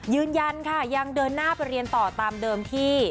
ยืนยันค่ะยังเดินหน้าไปเรียนต่อตามเดิมที่